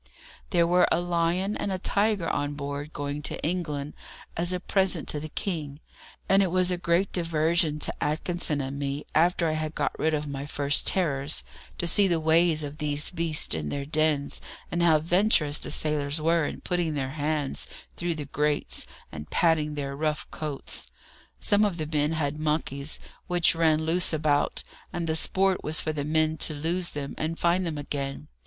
There were a lion and a tiger on board going to England as a present to the King, and it was a great diversion to Atkinson and me, after I had got rid of my first terrors, to see the ways of these beasts in their dens, and how venturous the sailors were in putting their hands through the grates, and patting their rough coats. Some of the men had monkeys, which ran loose about, and the sport was for the men to lose them, and find them again.